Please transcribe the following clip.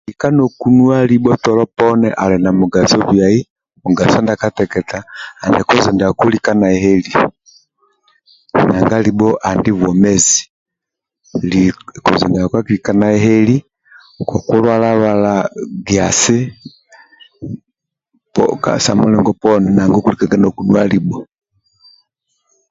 Lika nokunuwa libho toloponi ali namugaso bhiyayi mugaso ndia keteketa adi kozo ndiako lika naheheli nanga libho adi bwomezi kozo dwako akilika naheheli koku lwala lwala giasi kamuligo poni nanga okuligaga nokunuwa libho